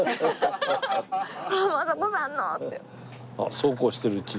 そうこうしているうちに。